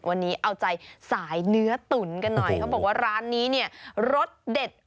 วันนี้เอาใจสายเนื้อตุ๋นกันหน่อยเขาบอกว่าร้านนี้เนี่ยรสเด็ด